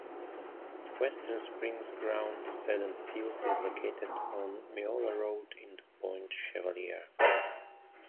Western Springs' ground, Seddon Field is located on Meola Road in Point Chevalier.